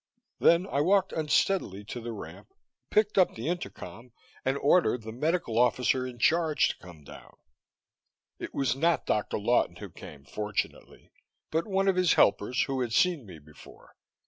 Then I walked unsteadily to the ramp, picked up the intercom and ordered the medical officer in charge to come down. It was not Dr. Lawton who came, fortunately, but one of his helpers who had seen me before.